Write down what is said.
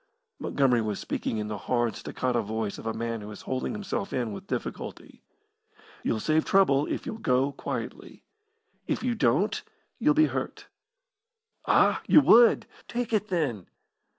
Montgomery was speaking in the hard, staccato voice of a man who is holding himself in with difficulty. "You'll save trouble if you'll go quietly. If you don't you'll be hurt. Ah, you would? Take it, then!"